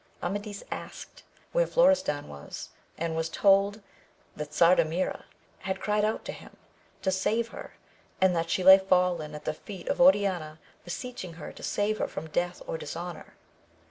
Amadis asked where Florestan was, and was told, that Sardamira had cried out to him to save her, and that she lay fallen at the feet of Oriana, beseeching her to save her from death or dishonour.